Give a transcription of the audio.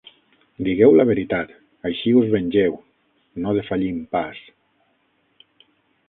Digueu la veritat. Així us vengeu. No defallim pas.